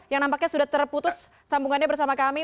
yang nampaknya sudah terputus sambungannya bersama kami